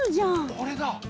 これだ。